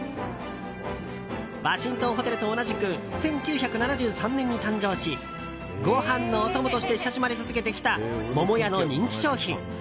ワシントンホテルと同じく１９７３年に誕生しご飯のお供として親しまれ続けてきた桃屋の人気商品。